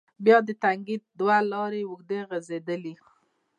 بیا د تنگي تر دوه لارې اوږده غزیدلې،